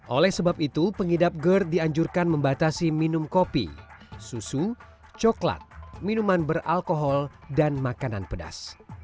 oleh sebab itu pengidap gerd dianjurkan membatasi minum kopi susu coklat minuman beralkohol dan makanan pedas